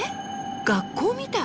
学校みたい。